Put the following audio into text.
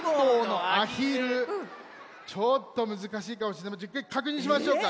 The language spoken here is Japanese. ちょっとむずかしいかもかくにんしましょうか。